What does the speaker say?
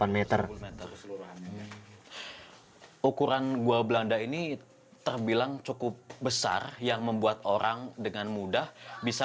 delapan meter keseluruhannya ukuran gua belanda ini terbilang cukup besar yang membuat orang dengan mudah bisa